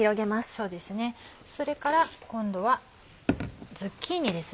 そうですねそれから今度はズッキーニです。